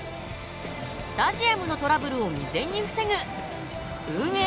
スタジアムのトラブルを未然に防ぐ運営